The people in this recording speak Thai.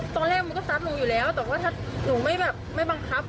ตอนแรกมันก็ซัดหนูอยู่แล้วแต่ว่าถ้าหนูไม่แบบไม่บังคับ